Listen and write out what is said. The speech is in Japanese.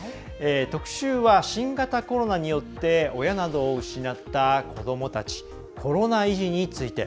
特集は新型コロナによって親などを失った子どもたち、コロナ遺児について。